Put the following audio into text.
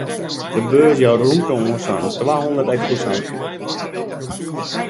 De beurs jout rûmte oan sa'n twahûndert eksposanten.